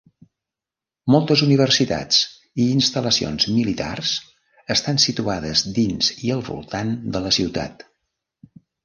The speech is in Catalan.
Moltes universitats i instal·lacions militars estan situades dins i al voltant de la ciutat.